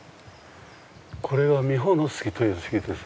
これは三穂野杉という杉です。